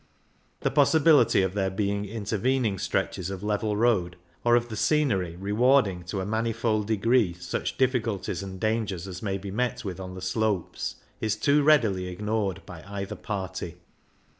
The possibility of there being intervening 2 CYCLING IN THE ALPS stretches of level road, or of the scenery rewarding to a manifold degree such difficulties and dangers as may be met with on the slopes, is too readily ignored by either party.